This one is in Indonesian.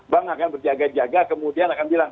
bank akan berjaga jaga kemudian akan bilang